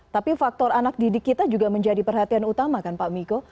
tapi faktor anak didik kita juga menjadi perhatian utama kan pak miko